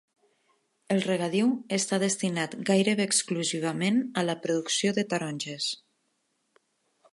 El regadiu està destinat gairebé exclusivament a la producció de taronges.